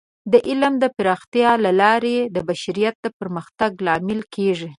د علم د پراختیا له لارې د بشریت د پرمختګ لامل کیږي.